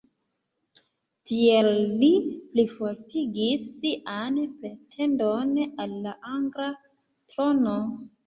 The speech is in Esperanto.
Tiel li plifortigis sian pretendon al la angla trono.